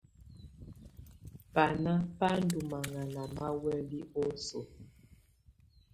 Banà bà ndù mahana ma huɛ̀lɛ oso.